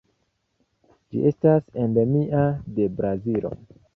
Ĝi estas endemia de Brazilo.